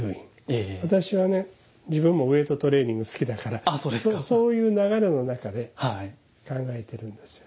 自分もウエイトトレーニング好きだからそういう流れの中で考えてるんですよ。